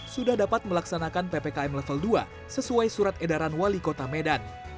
sudah dapat melaksanakan ppkm level dua sesuai surat edaran wali kota medan